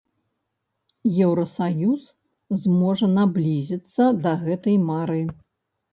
Еўрасаюз зможа наблізіцца да гэтай мары.